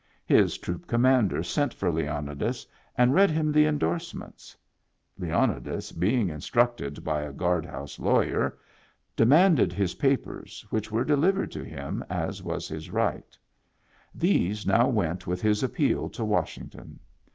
His troop commander sent for Leonidas and read him the indorsements. Leonidas, being instructed by a "guard house lawyer," demanded his papers, which were deliv ered to him, as Tfras his right. These now went with his appeal to Washington.